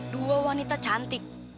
dua wanita cantik